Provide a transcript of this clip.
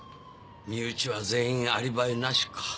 身内は全員アリバイなしか。